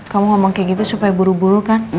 kamu ngomong kayak gitu supaya buru buru kan